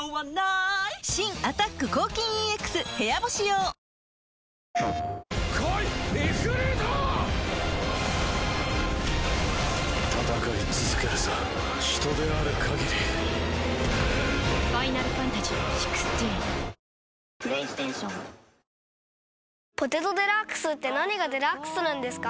新「アタック抗菌ＥＸ部屋干し用」「ポテトデラックス」って何がデラックスなんですか？